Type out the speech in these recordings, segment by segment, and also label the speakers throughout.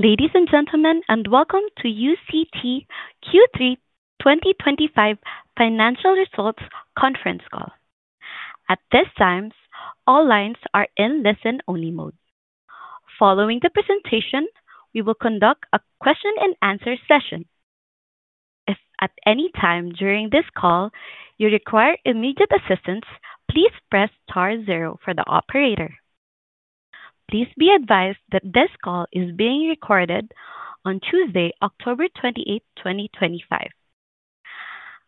Speaker 1: Ladies and gentlemen, welcome to the UCT Q3 2025 financial results conference call. At this time, all lines are in listen-only mode. Following the presentation, we will conduct a question-and-answer session. If at any time during this call you require immediate assistance, please press star zero for the operator. Please be advised that this call is being recorded on Tuesday, October 28, 2025.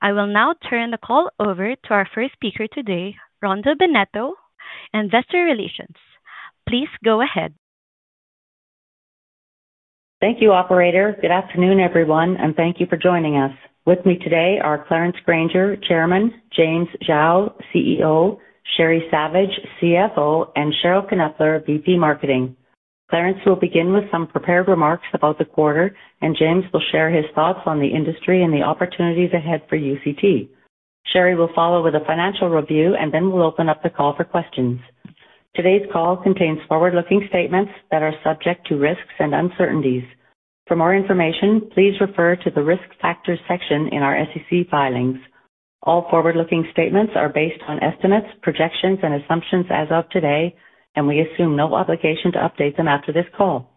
Speaker 1: I will now turn the call over to our first speaker today, Rhonda Bennetto, and Investor Relations. Please go ahead.
Speaker 2: Thank you, operator. Good afternoon, everyone, and thank you for joining us. With me today are Clarence Granger, Chairman; James Xiao, CEO; Sheri Savage, CFO; and Cheryl Knepfler, VP Marketing. Clarence will begin with some prepared remarks about the quarter, and James will share his thoughts on the industry and the opportunities ahead for UCT. Sheri will follow with a financial review, then we'll open up the call for questions. Today's call contains forward-looking statements that are subject to risks and uncertainties. For more information, please refer to the Risk Factors section in our SEC filings. All forward-looking statements are based on estimates, projections, and assumptions as of today, and we assume no obligation to update them after this call.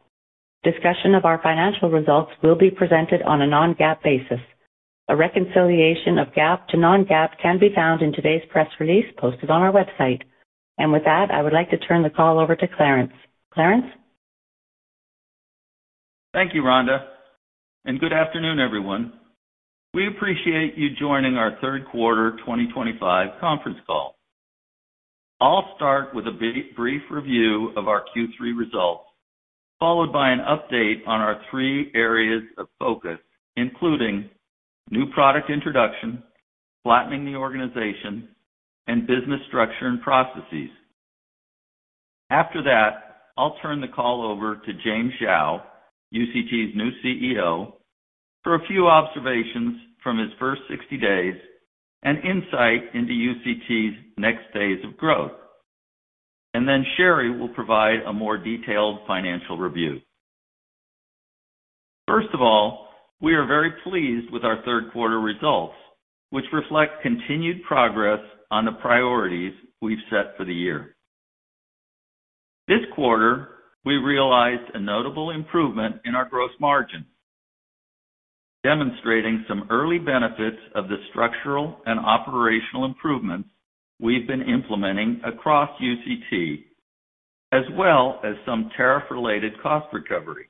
Speaker 2: Discussion of our financial results will be presented on a non-GAAP basis. A reconciliation of GAAP to non-GAAP can be found in today's press release posted on our website. With that, I would like to turn the call over to Clarence. Clarence?
Speaker 3: Thank you, Rhonda, and good afternoon, everyone. We appreciate you joining our third quarter 2025 conference call. I'll start with a brief review of our Q3 results, followed by an update on our three areas of focus, including new product introduction, flattening the organization, and business structure and processes. After that, I'll turn the call over to James Xiao, UCT's new CEO, for a few observations from his first 60 days and insight into UCT's next phase of growth. Sheri will provide a more detailed financial review. First of all, we are very pleased with our third quarter results, which reflect continued progress on the priorities we've set for the year. This quarter, we realized a notable improvement in our gross margins, demonstrating some early benefits of the structural and operational improvements we've been implementing across UCT, as well as some tariff-related cost recovery.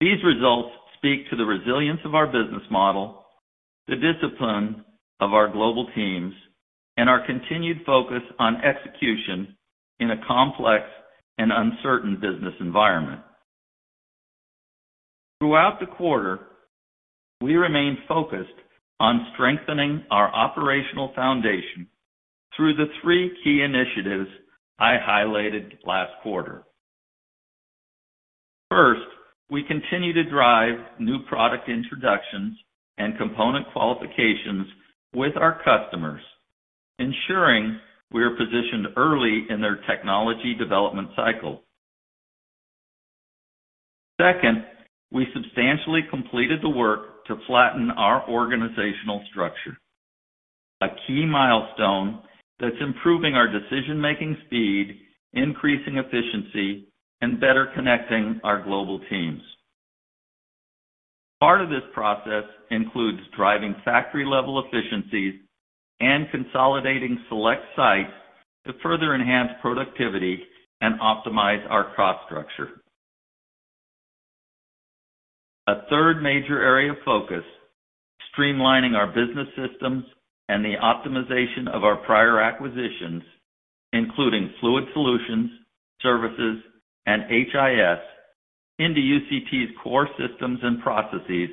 Speaker 3: These results speak to the resilience of our business model, the discipline of our global teams, and our continued focus on execution in a complex and uncertain business environment. Throughout the quarter, we remained focused on strengthening our operational foundation through the three key initiatives I highlighted last quarter. First, we continue to drive new product introductions and component qualifications with our customers, ensuring we are positioned early in their technology development cycle. Second, we substantially completed the work to flatten our organizational structure, a key milestone that's improving our decision-making speed, increasing efficiency, and better connecting our global teams. Part of this process includes driving factory-level efficiencies and consolidating select sites to further enhance productivity and optimize our cost structure. A third major area of focus is streamlining our business systems and the optimization of our prior acquisitions, including Fluid Solutions, Services, and HIS into UCT's core systems and processes,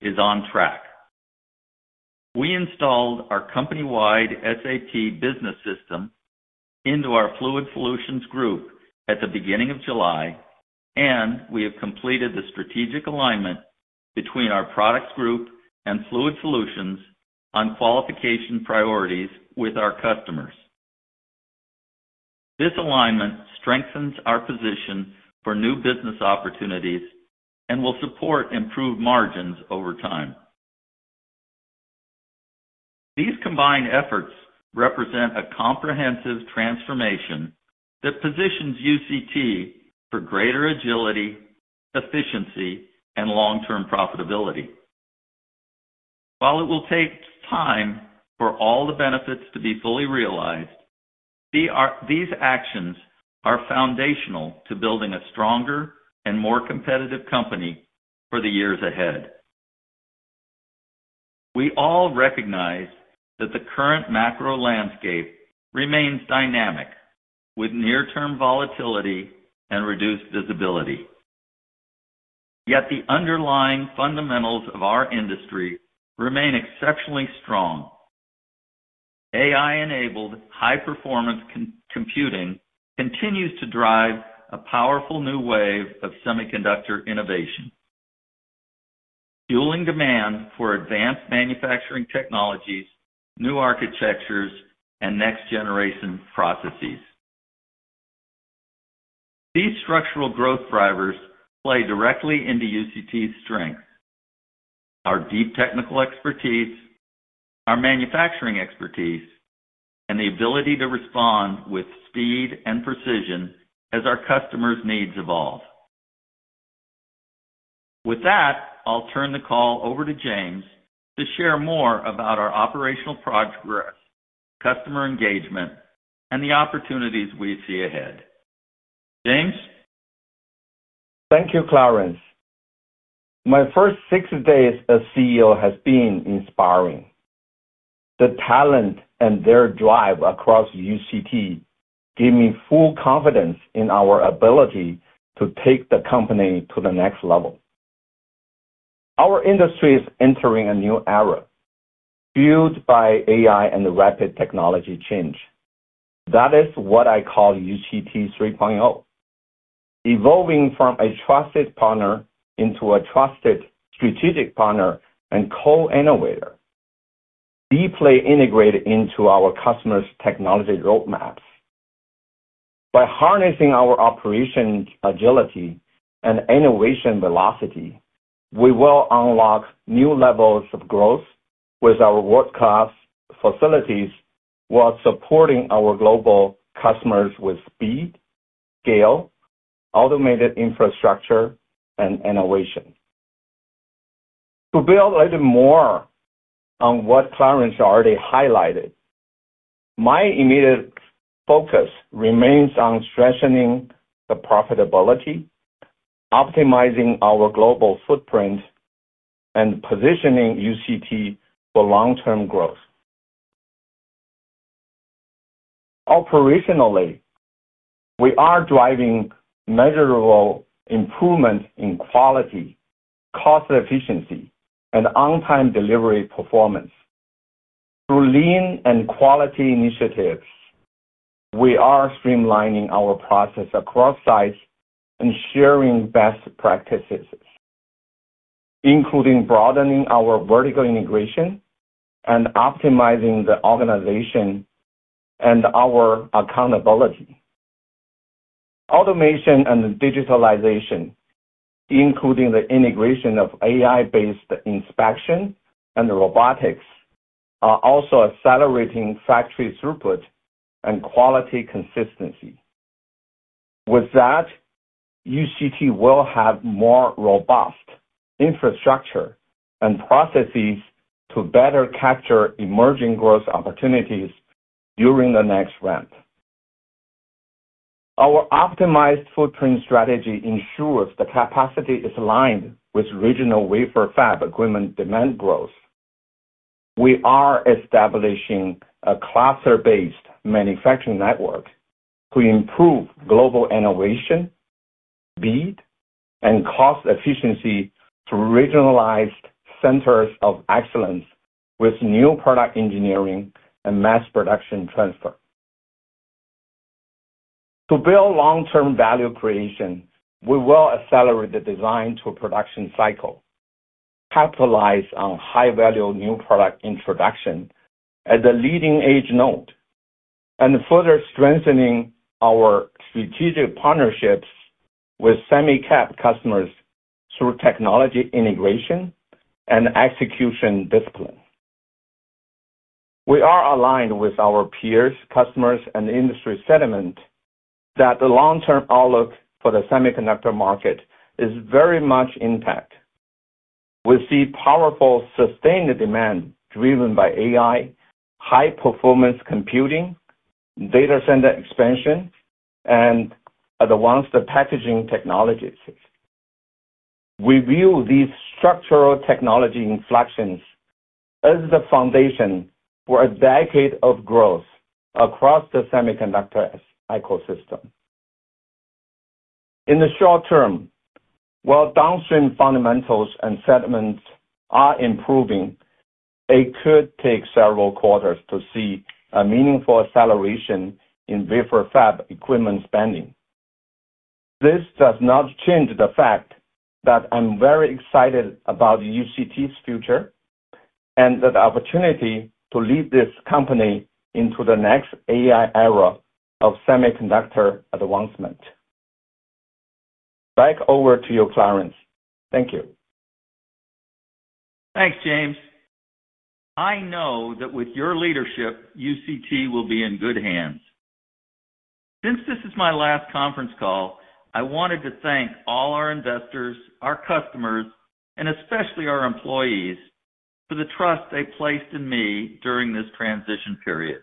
Speaker 3: is on track. We installed our company-wide SAP business system into our Fluid Solutions group at the beginning of July, and we have completed the strategic alignment between our products group and Fluid Solutions on qualification priorities with our customers. This alignment strengthens our position for new business opportunities and will support improved margins over time. These combined efforts represent a comprehensive transformation that positions UCT for greater agility, efficiency, and long-term profitability. While it will take time for all the benefits to be fully realized, these actions are foundational to building a stronger and more competitive company for the years ahead. We all recognize that the current macro landscape remains dynamic, with near-term volatility and reduced visibility. Yet the underlying fundamentals of our industry remain exceptionally strong. AI-enabled high-performance computing continues to drive a powerful new wave of semiconductor innovation, fueling demand for advanced manufacturing technologies, new architectures, and next-generation processes. These structural growth drivers play directly into UCT's strengths: our deep technical expertise, our manufacturing expertise, and the ability to respond with speed and precision as our customers' needs evolve. With that, I'll turn the call over to James to share more about our operational progress, customer engagement, and the opportunities we see ahead. James?
Speaker 4: Thank you, Clarence. My first 60 days as CEO has been inspiring. The talent and their drive across UCT give me full confidence in our ability to take the company to the next level. Our industry is entering a new era, fueled by AI and the rapid technology change. That is what I call UCT 3.0, evolving from a trusted partner into a trusted strategic partner and co-innovator, deeply integrated into our customers' technology roadmaps. By harnessing our operation agility and innovation velocity, we will unlock new levels of growth with our world-class facilities, while supporting our global customers with speed, scale, automated infrastructure, and innovation. To build a little more on what Clarence already highlighted, my immediate focus remains on strengthening the profitability, optimizing our global footprint, and positioning UCT for long-term growth. Operationally, we are driving measurable improvements in quality, cost efficiency, and on-time delivery performance. Through lean and quality initiatives, we are streamlining our process across sites and sharing best practices, including broadening our vertical integration and optimizing the organization and our accountability. Automation and digitalization, including the integration of AI-based inspection and robotics, are also accelerating factory throughput and quality consistency. With that, UCT will have more robust infrastructure and processes to better capture emerging growth opportunities during the next round. Our optimized footprint strategy ensures the capacity is aligned with regional wafer fab equipment demand growth. We are establishing a cluster-based manufacturing network to improve global innovation, speed, and cost efficiency through regionalized centers of excellence with new product engineering and mass production transfer. To build long-term value creation, we will accelerate the design to production cycle, capitalize on high-value new product introduction at the leading edge node, and further strengthening our strategic partnerships with semicap customers through technology integration and execution discipline. We are aligned with our peers, customers, and industry sentiment that the long-term outlook for the semiconductor market is very much intact. We see powerful sustained demand driven by AI, high-performance computing, data center expansion, and advanced packaging technologies. We view these structural technology inflections as the foundation for a decade of growth across the semiconductor ecosystem. In the short term, while downstream fundamentals and sentiment are improving, it could take several quarters to see a meaningful acceleration in wafer fab equipment spending. This does not change the fact that I'm very excited about UCT's future and the opportunity to lead this company into the next AI era of semiconductor advancement. Back over to you, Clarence. Thank you.
Speaker 3: Thanks, James. I know that with your leadership, UCT will be in good hands. Since this is my last conference call, I wanted to thank all our investors, our customers, and especially our employees for the trust they placed in me during this transition period.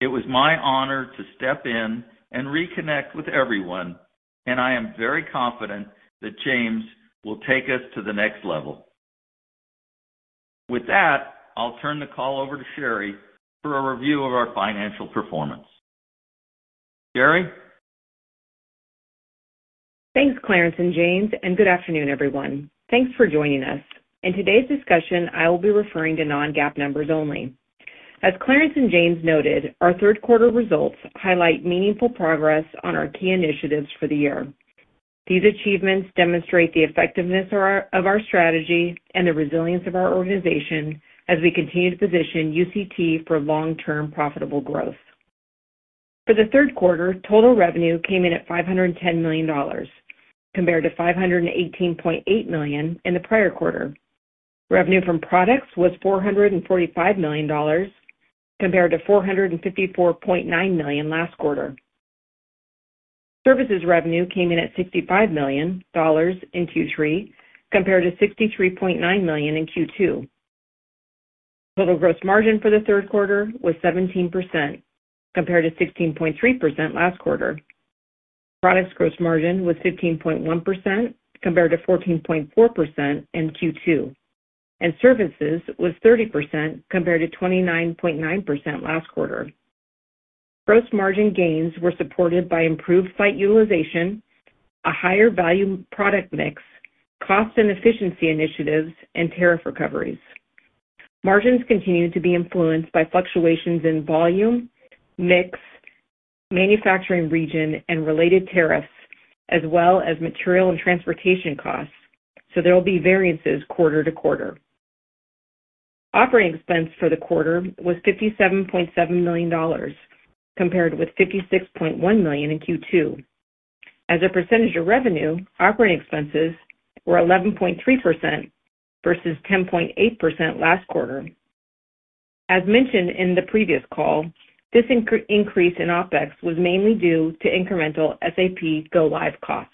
Speaker 3: It was my honor to step in and reconnect with everyone, and I am very confident that James will take us to the next level. With that, I'll turn the call over to Sheri for a review of our financial performance. Sheri?
Speaker 5: Thanks, Clarence and James, and good afternoon, everyone. Thanks for joining us. In today's discussion, I will be referring to non-GAAP numbers only. As Clarence and James noted, our third quarter results highlight meaningful progress on our key initiatives for the year. These achievements demonstrate the effectiveness of our strategy and the resilience of our organization as we continue to position UCT for long-term profitable growth. For the third quarter, total revenue came in at $510 million compared to $518.8 million in the prior quarter. Revenue from products was $445 million compared to $454.9 million last quarter. Services revenue came in at $65 million in Q3 compared to $63.9 million in Q2. Total gross margin for the third quarter was 17% compared to 16.3% last quarter. Products gross margin was 15.1% compared to 14.4% in Q2, and services was 30% compared to 29.9% last quarter. Gross margin gains were supported by improved site utilization, a higher value product mix, cost and efficiency initiatives, and tariff recoveries. Margins continue to be influenced by fluctuations in volume, mix, manufacturing region, and related tariffs, as well as material and transportation costs, so there will be variances quarter to quarter. Operating expense for the quarter was $57.7 million compared with $56.1 million in Q2. As a percentage of revenue, operating expenses were 11.3% versus 10.8% last quarter. As mentioned in the previous call, this increase in OpEx was mainly due to incremental SAP go-live costs.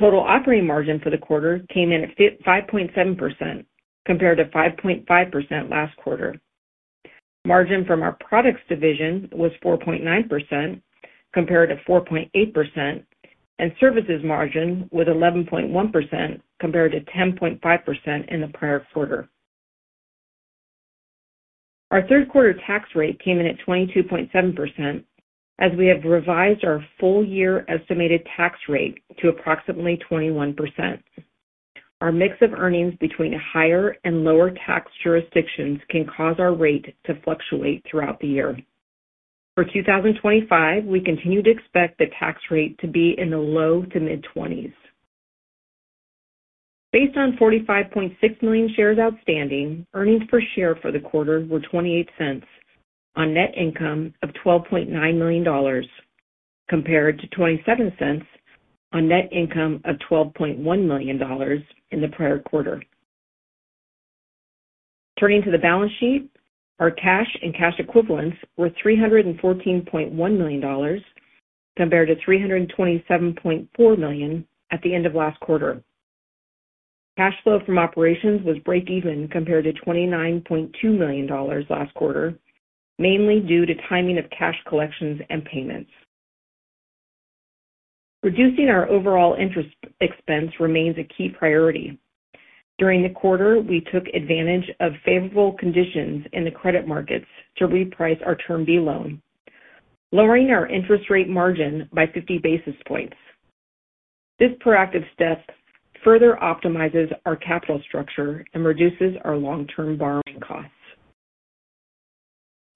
Speaker 5: Total operating margin for the quarter came in at 5.7% compared to 5.5% last quarter. Margin from our products division was 4.9% compared to 4.8%, and services margin was 11.1% compared to 10.5% in the prior quarter. Our third quarter tax rate came in at 22.7%, as we have revised our full-year estimated tax rate to approximately 21%. Our mix of earnings between higher and lower tax jurisdictions can cause our rate to fluctuate throughout the year. For 2025, we continue to expect the tax rate to be in the low to mid-20s. Based on 45.6 million shares outstanding, earnings per share for the quarter were $0.28 on net income of $12.9 million compared to $0.27 on net income of $12.1 million in the prior quarter. Turning to the balance sheet, our cash and cash equivalents were $314.1 million compared to $327.4 million at the end of last quarter. Cash flow from operations was breakeven compared to $29.2 million last quarter, mainly due to timing of cash collections and payments. Reducing our overall interest expense remains a key priority. During the quarter, we took advantage of favorable conditions in the credit markets to reprice our Term B loan, lowering our interest rate margin by 50 basis points. This proactive step further optimizes our capital structure and reduces our long-term borrowing costs.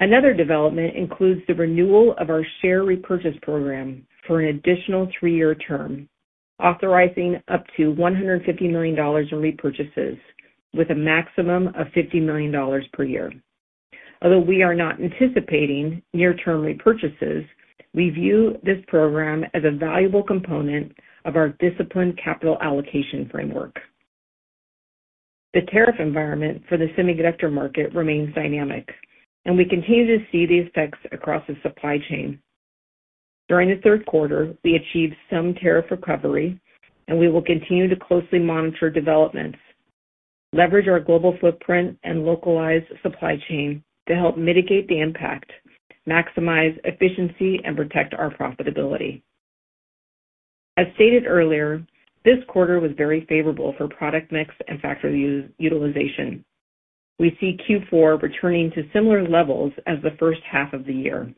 Speaker 5: Another development includes the renewal of our share repurchase program for an additional three-year term, authorizing up to $150 million in repurchases with a maximum of $50 million per year. Although we are not anticipating near-term repurchases, we view this program as a valuable component of our disciplined capital allocation framework. The tariff environment for the semiconductor market remains dynamic, and we continue to see the effects across the supply chain. During the third quarter, we achieved some tariff recovery, and we will continue to closely monitor developments, leverage our global footprint, and localize the supply chain to help mitigate the impact, maximize efficiency, and protect our profitability. As stated earlier, this quarter was very favorable for product mix and factory utilization. We see Q4 returning to similar levels as the first half of the year.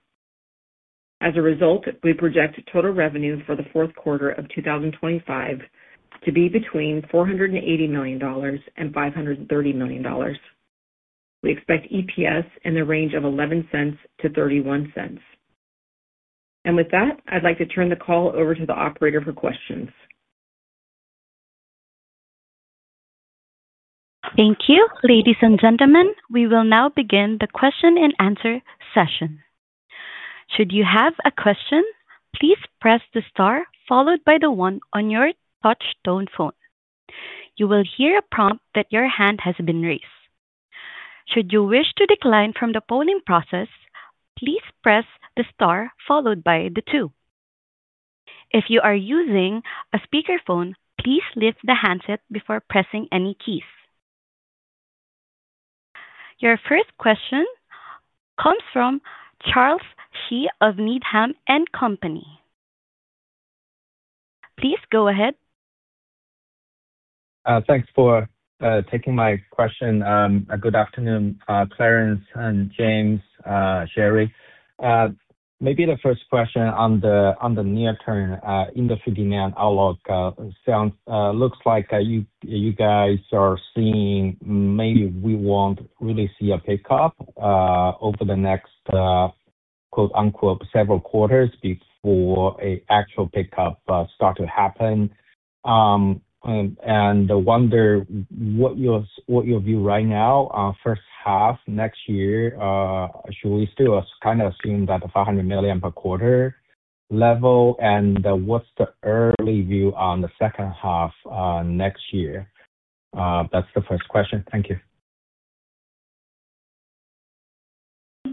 Speaker 5: As a result, we project total revenue for the fourth quarter of 2025 to be between $480 million and $530 million. We expect EPS in the range of $0.11 to $0.31. With that, I'd like to turn the call over to the operator for questions.
Speaker 1: Thank you, ladies and gentlemen. We will now begin the question-and-answer session. Should you have a question, please press the star followed by the one on your touch-tone phone. You will hear a prompt that your hand has been raised. Should you wish to decline from the polling process, please press the star followed by the two. If you are using a speakerphone, please lift the handset before pressing any keys. Your first question comes from Charles Shi of Needham and Company. Please go ahead.
Speaker 6: Thanks for taking my question. Good afternoon, Clarence and James, Sheri. Maybe the first question on the near-term industry demand outlook looks like you guys are seeing maybe we won't really see a pickup over the next "several quarters" before an actual pickup starts to happen. I wonder what your view right now on the first half next year is. Should we still kind of assume that the $500 million per quarter level? What's the early view on the second half next year? That's the first question. Thank you.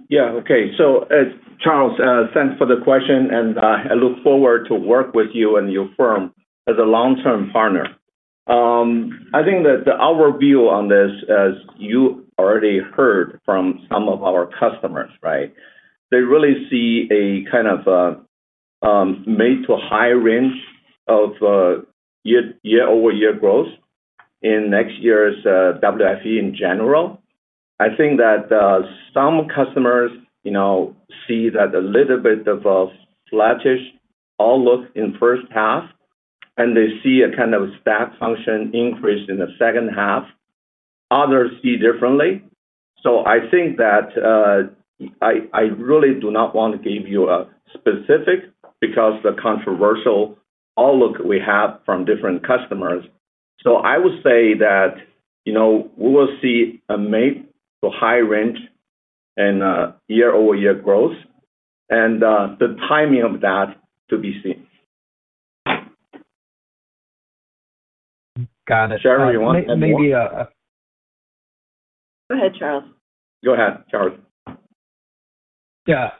Speaker 4: Yeah. Okay. Charles, thanks for the question, and I look forward to working with you and your firm as a long-term partner. I think that our view on this, as you already heard from some of our customers, they really see a kind of mid to high range of year-over-year growth in next year's WFE in general. I think that some customers see a little bit of a flattish outlook in the first half, and they see a kind of a step function increase in the second half. Others see it differently. I really do not want to give you a specific because of the controversial outlook we have from different customers. I would say that we will see a mid to high range in year-over-year growth, and the timing of that to be seen.
Speaker 6: Got it.
Speaker 4: Sheri wants to maybe.
Speaker 5: Go ahead, Charles.
Speaker 4: Go ahead, Charles.
Speaker 6: Yeah.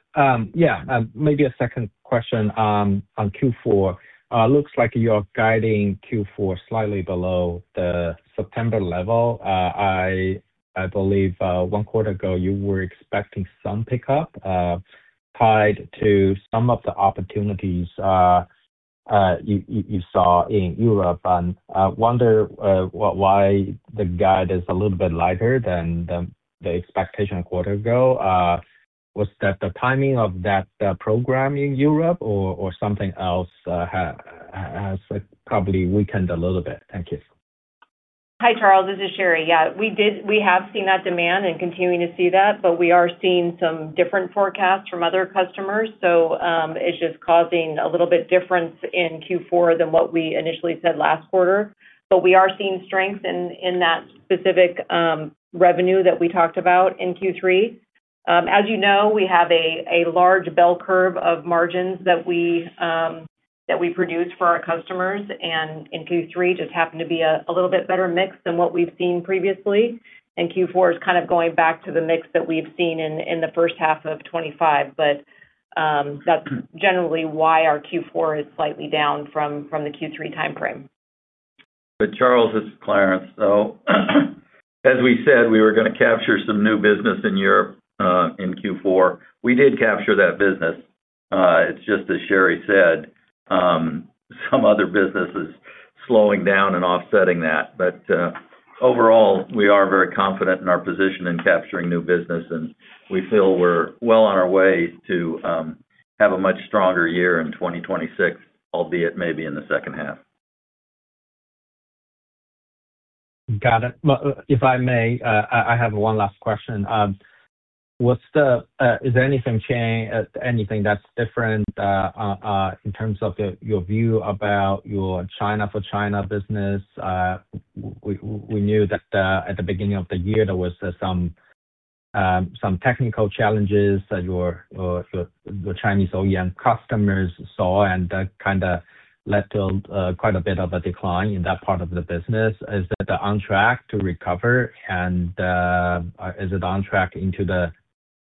Speaker 6: Maybe a second question on Q4. It looks like you are guiding Q4 slightly below the September level. I believe one quarter ago you were expecting some pickup tied to some of the opportunities you saw in Europe. I wonder why the guide is a little bit lighter than the expectation a quarter ago. Was that the timing of that program in Europe or something else has probably weakened a little bit? Thank you.
Speaker 5: Hi, Charles. This is Sheri. Yeah, we did. We have seen that demand and continuing to see that, we are seeing some different forecasts from other customers. It's just causing a little bit of difference in Q4 than what we initially said last quarter. We are seeing strength in that specific revenue that we talked about in Q3. As you know, we have a large bell curve of margins that we produce for our customers, and in Q3, it just happened to be a little bit better mix than what we've seen previously. Q4 is kind of going back to the mix that we've seen in the first half of 2025. That's generally why our Q4 is slightly down from the Q3 timeframe.
Speaker 3: Charles, this is Clarence. As we said, we were going to capture some new business in Europe in Q4. We did capture that business. It's just, as Sheri said, some other business is slowing down and offsetting that. Overall, we are very confident in our position in capturing new business, and we feel we're well on our way to have a much stronger year in 2026, albeit maybe in the second half.
Speaker 6: Got it. If I may, I have one last question. Is there anything changed, anything that's different in terms of your view about your China for China business? We knew that at the beginning of the year, there were some technical challenges that your Chinese OEM customers saw, and that kind of led to quite a bit of a decline in that part of the business. Is it on track to recover, and is it on track into the,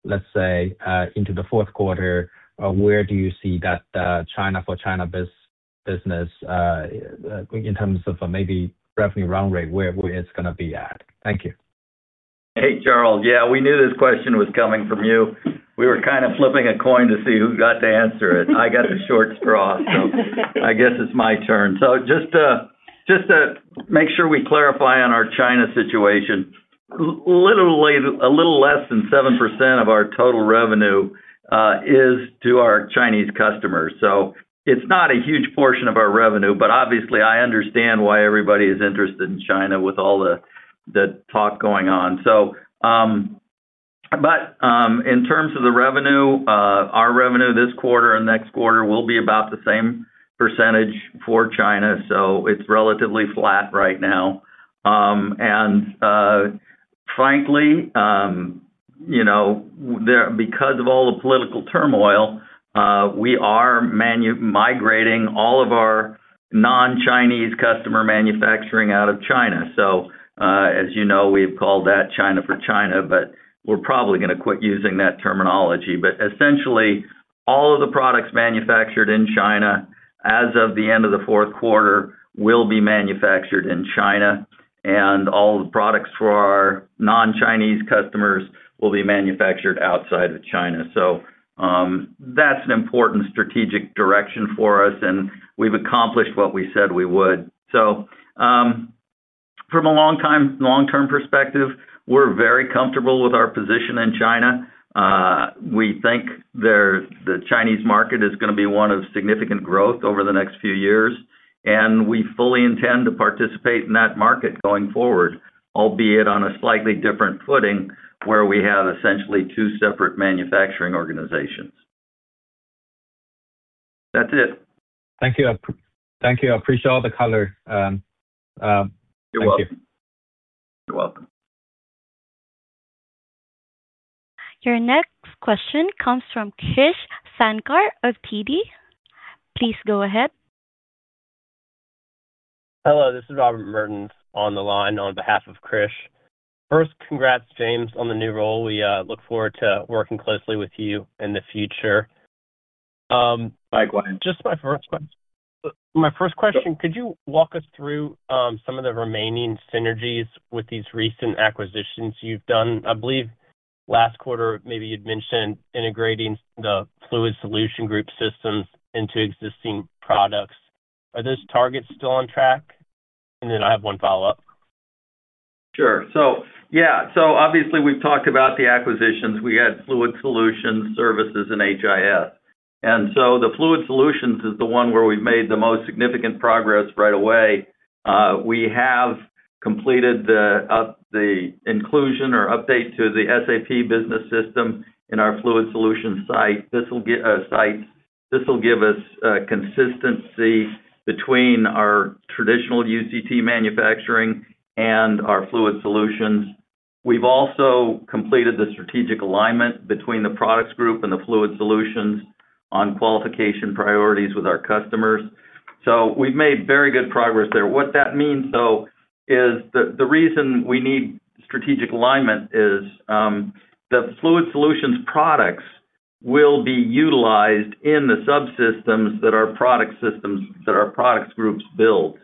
Speaker 6: let's say, into the fourth quarter, or where do you see that China for China business in terms of maybe revenue run rate, where it's going to be at? Thank you.
Speaker 3: Hey, Charles. Yeah, we knew this question was coming from you. We were kind of flipping a coin to see who got to answer it. I got the short straw. I guess it's my turn. Just to make sure we clarify on our China situation, literally a little less than 7% of our total revenue is to our Chinese customers. It's not a huge portion of our revenue, but obviously, I understand why everybody is interested in China with all the talk going on. In terms of the revenue, our revenue this quarter and next quarter will be about the same percentage for China. It's relatively flat right now. Frankly, because of all the political turmoil, we are migrating all of our non-Chinese customer manufacturing out of China. As you know, we've called that China for China, but we're probably going to quit using that terminology. Essentially, all of the products manufactured in China as of the end of the fourth quarter will be manufactured in China, and all of the products for our non-Chinese customers will be manufactured outside of China. That's an important strategic direction for us, and we've accomplished what we said we would. From a long-term perspective, we're very comfortable with our position in China. We think the Chinese market is going to be one of significant growth over the next few years, and we fully intend to participate in that market going forward, albeit on a slightly different footing where we have essentially two separate manufacturing organizations. That's it.
Speaker 6: Thank you. I appreciate all the color. Thank you.
Speaker 3: You're welcome. You're welcome.
Speaker 1: Your next question comes from Krish Sankar of TD Cowen. Please go ahead.
Speaker 7: Hello. This is Robert Mertens on the line on behalf of Krish. First, congrats, James, on the new role. We look forward to working closely with you in the future. By the way, just my first question. My first question, could you walk us through some of the remaining synergies with these recent acquisitions you've done? I believe last quarter, maybe you'd mentioned integrating the Fluid Solutions systems into existing products. Are those targets still on track? I have one follow-up.
Speaker 3: Sure. Obviously, we've talked about the acquisitions. We had Fluid Solutions, Services, and HIS. Fluid Solutions is the one where we've made the most significant progress right away. We have completed the inclusion or update to the SAP business system in our Fluid Solutions site. This will give us consistency between our traditional UCT manufacturing and our Fluid Solutions. We've also completed the strategic alignment between the products group and Fluid Solutions on qualification priorities with our customers. We've made very good progress there. The reason we need strategic alignment is the Fluid Solutions products will be utilized in the subsystems that our products groups build.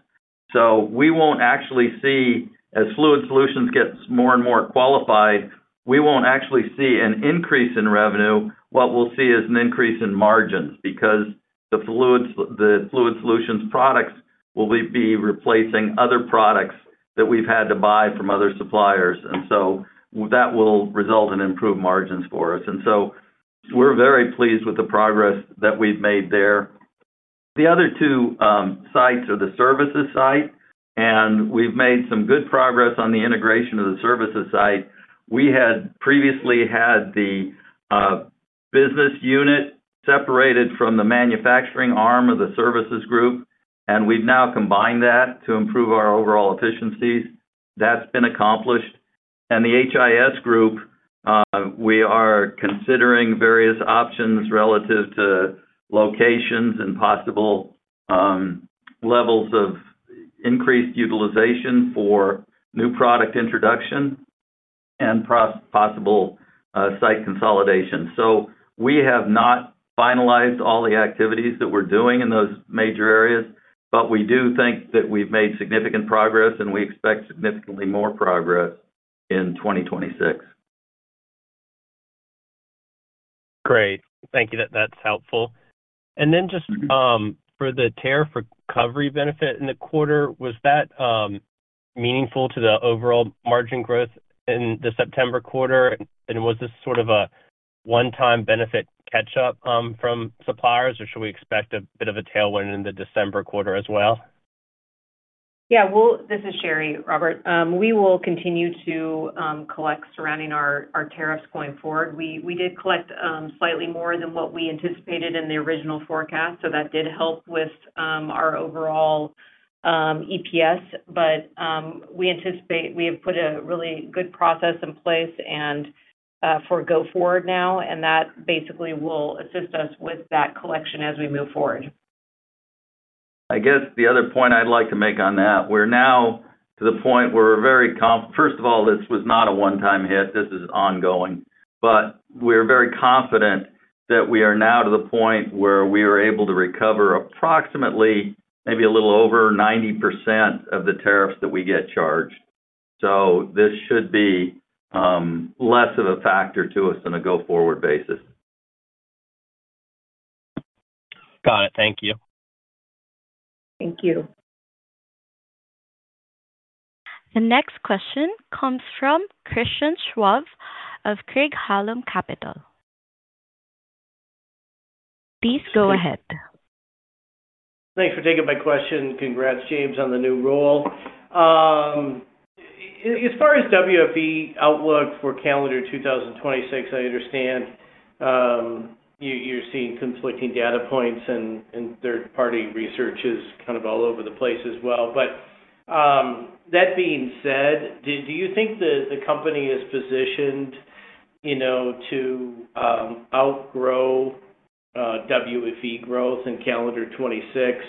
Speaker 3: We won't actually see, as Fluid Solutions gets more and more qualified, an increase in revenue. What we'll see is an increase in margins because the Fluid Solutions products will be replacing other products that we've had to buy from other suppliers. That will result in improved margins for us. We're very pleased with the progress that we've made there. The other two sites are the Services site, and we've made some good progress on the integration of the Services site. We had previously had the business unit separated from the manufacturing arm of the Services group, and we've now combined that to improve our overall efficiencies. That's been accomplished. The HIS group, we are considering various options relative to locations and possible levels of increased utilization for new product introduction and possible site consolidation. We have not finalized all the activities that we're doing in those major areas, but we do think that we've made significant progress, and we expect significantly more progress in 2026.
Speaker 7: Great. Thank you. That's helpful. For the tariff recovery benefit in the quarter, was that meaningful to the overall margin growth in the September quarter? Was this sort of a one-time benefit catch-up from suppliers, or should we expect a bit of a tailwind in the December quarter as well?
Speaker 5: Yeah. This is Sheri, Robert. We will continue to collect surrounding our tariffs going forward. We did collect slightly more than what we anticipated in the original forecast, so that did help with our overall EPS. We anticipate we have put a really good process in place for go forward now, and that basically will assist us with that collection as we move forward.
Speaker 3: I guess the other point I'd like to make on that, we're now to the point where we're very confident. First of all, this was not a one-time hit. This is ongoing. We're very confident that we are now to the point where we are able to recover approximately maybe a little over 90% of the tariffs that we get charged. This should be less of a factor to us on a go-forward basis.
Speaker 7: Got it. Thank you.
Speaker 5: Thank you.
Speaker 1: The next question comes from Christian Schwab of Craig Hallum. Please go ahead.
Speaker 8: Thanks for taking my question. Congrats, James, on the new role. As far as WFE outlook for calendar 2026, I understand you're seeing conflicting data points, and third-party research is kind of all over the place as well. That being said, do you think the company is positioned, you know, to outgrow WFE growth in calendar 2026,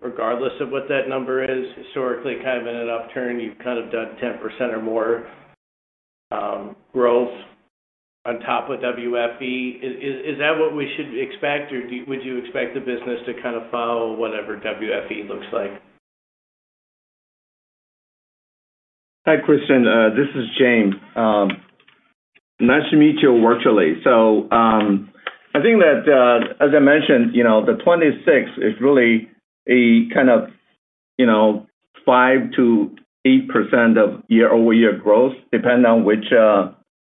Speaker 8: regardless of what that number is? Historically, kind of in an upturn, you've kind of done 10% or more growth on top of WFE. Is that what we should expect, or would you expect the business to kind of follow whatever WFE looks like?
Speaker 4: Hi, Christian. This is James. Nice to meet you virtually. I think that, as I mentioned, the 2026 is really a kind of 5% to 8% year-over-year growth, depending on which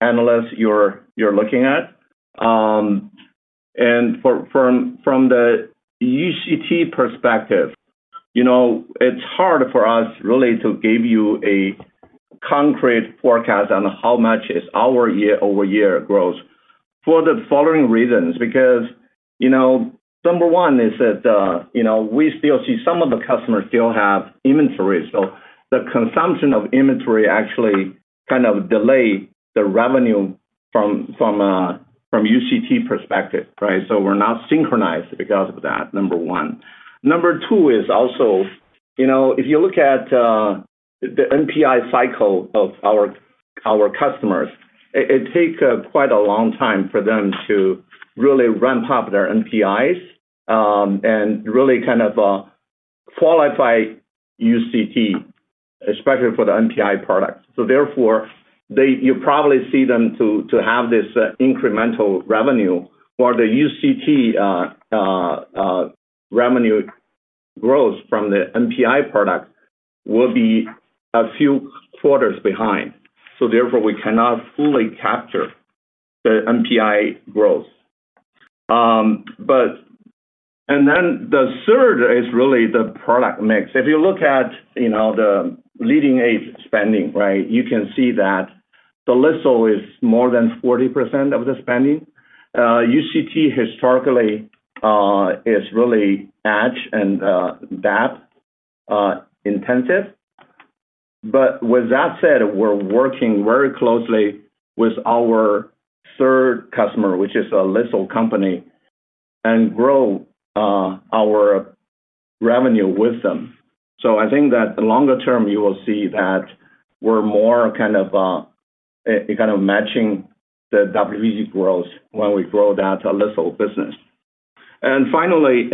Speaker 4: analyst you're looking at. From the UCT perspective, it's hard for us to give you a concrete forecast on how much is our year-over-year growth for the following reasons. Number one is that we still see some of the customers still have inventory. The consumption of inventory actually kind of delays the revenue from a UCT perspective, right? We're not synchronized because of that, number one. Number two is also, if you look at the NPI cycle of our customers, it takes quite a long time for them to really ramp up their NPIs and really kind of qualify UCT, especially for the NPI products. Therefore, you probably see them have this incremental revenue where the UCT revenue growth from the NPI product will be a few quarters behind. Therefore, we cannot fully capture the NPI growth. The third is really the product mix. If you look at the leading-edge spending, you can see that the list is more than 40% of the spending. UCT historically is really edge and that intensive. With that said, we're working very closely with our third customer, which is a lesser company, and grow our revenue with them. I think that the longer term, you will see that we're more kind of matching the WFE growth when we grow that lesser business. Finally,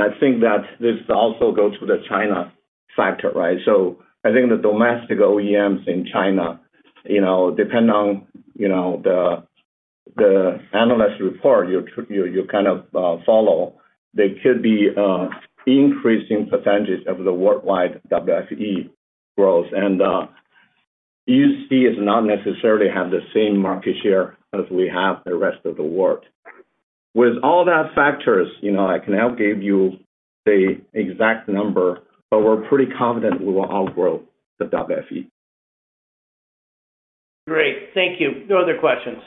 Speaker 4: this also goes to the China factor, right? The domestic OEMs in China, depending on the analyst report you follow, could be increasing percentages of the worldwide WFE growth. UCT does not necessarily have the same market share as we have in the rest of the world. With all that factors, I cannot give you the exact number, but we're pretty confident we will outgrow the WFE.
Speaker 8: Great. Thank you. No other questions.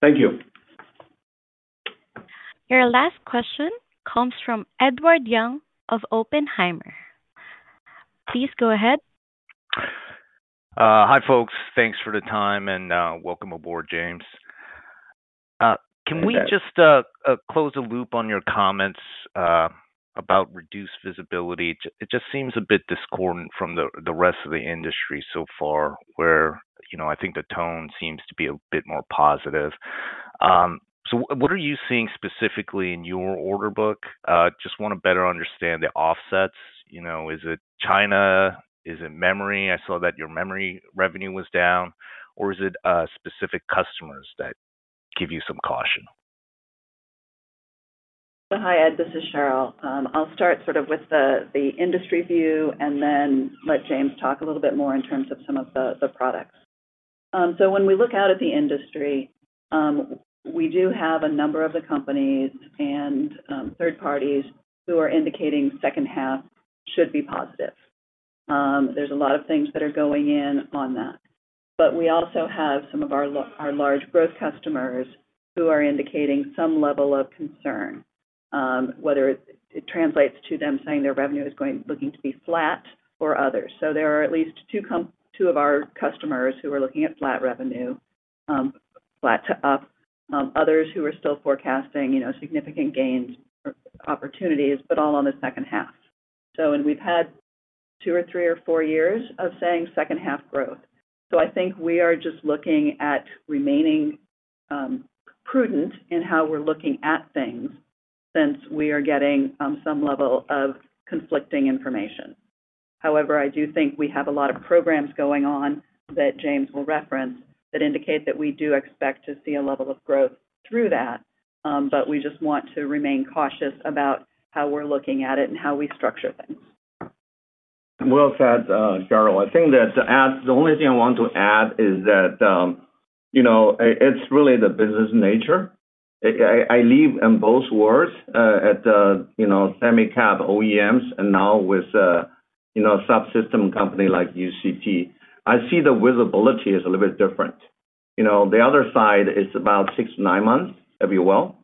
Speaker 4: Thank you.
Speaker 1: Your last question comes from Edward Yang of Oppenheimer. Please go ahead.
Speaker 9: Hi folks. Thanks for the time and welcome aboard, James. Can we just close a loop on your comments about reduced visibility? It just seems a bit discordant from the rest of the industry so far, where I think the tone seems to be a bit more positive. What are you seeing specifically in your order book? I just want to better understand the offsets. Is it China? Is it memory? I saw that your memory revenue was down, or is it specific customers that give you some caution?
Speaker 10: Hi, Ed. This is Cheryl. I'll start with the industry view and then let James talk a little bit more in terms of some of the products. When we look out at the industry, we do have a number of the companies and third parties who are indicating second half should be positive. There are a lot of things that are going in on that. We also have some of our large growth customers who are indicating some level of concern, whether it translates to them saying their revenue is looking to be flat or others. There are at least two of our customers who are looking at flat revenue, flat to up, others who are still forecasting significant gains or opportunities, all on the second half. We've had two or three or four years of saying second half growth. I think we are just looking at remaining prudent in how we're looking at things since we are getting some level of conflicting information. However, I do think we have a lot of programs going on that James will reference that indicate that we do expect to see a level of growth through that. We just want to remain cautious about how we're looking at it and how we structure things.
Speaker 4: I think that the only thing I want to add is that, you know, it's really the business nature. I live in both worlds, at the semicap OEMs and now with a subsystem company like UCT. I see the visibility is a little bit different. You know, the other side is about six to nine months, if you will.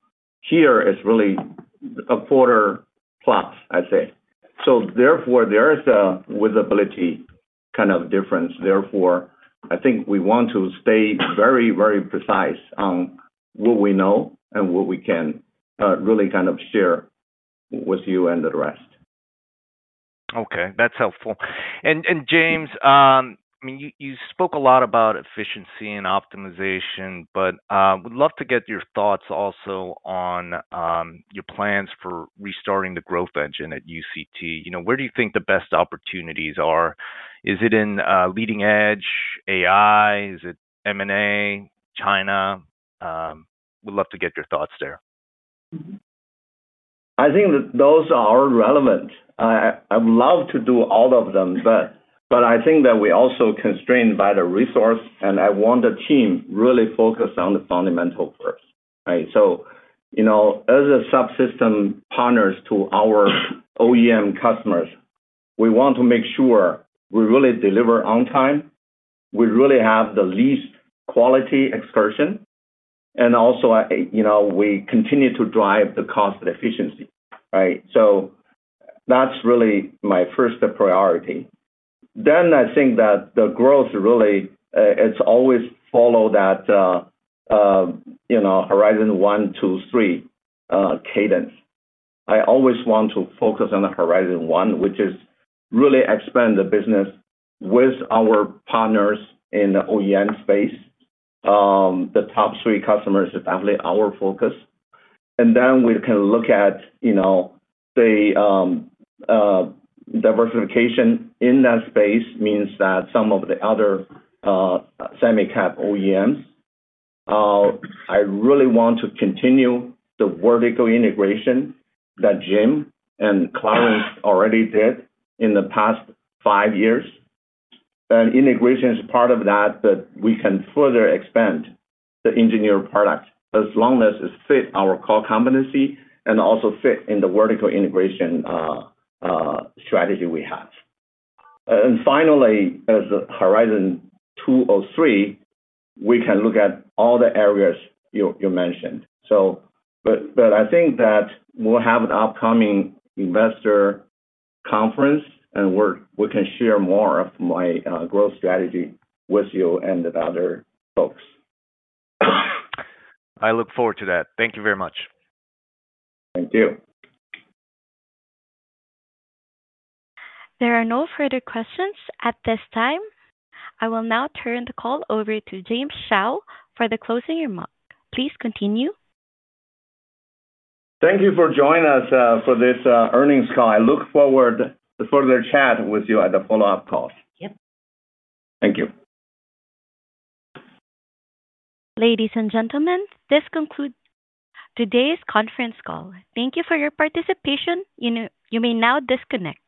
Speaker 4: Here is really a quarter plus, I'd say. Therefore, there is a visibility kind of difference. I think we want to stay very, very precise on what we know and what we can really kind of share with you and the rest.
Speaker 9: Okay. That's helpful. James, you spoke a lot about efficiency and optimization, but I would love to get your thoughts also on your plans for restarting the growth engine at UCT. Where do you think the best opportunities are? Is it in leading-edge AI? Is it M&A, China? We'd love to get your thoughts there.
Speaker 4: I think that those are relevant. I would love to do all of them, but I think that we're also constrained by the resource, and I want the team really focused on the fundamental first, right? As a subsystem partners to our OEM customers, we want to make sure we really deliver on time, we really have the least quality excursion, and also, you know, we continue to drive the cost efficiency, right? That's really my first priority. I think that the growth really, it's always follow that, you know, horizon one, two, three cadence. I always want to focus on the horizon one, which is really expand the business with our partners in the OEM space. The top three customers are definitely our focus. We can look at, you know, the diversification in that space means that some of the other semicap OEMs, I really want to continue the vertical integration that Jim and Clarence already did in the past five years. Integration is part of that, but we can further expand the engineer product as long as it fits our core competency and also fits in the vertical integration strategy we have. Finally, as a horizon two or three, we can look at all the areas you mentioned. I think that we'll have an upcoming investor conference, and we can share more of my growth strategy with you and the other folks.
Speaker 9: I look forward to that. Thank you very much.
Speaker 4: Thank you.
Speaker 1: There are no further questions at this time. I will now turn the call over to James Xiao for the closing remark. Please continue.
Speaker 4: Thank you for joining us for this earnings call. I look forward to further chat with you at the follow-up calls.
Speaker 10: Yep.
Speaker 4: Thank you.
Speaker 1: Ladies and gentlemen, this concludes today's conference call. Thank you for your participation. You may now disconnect.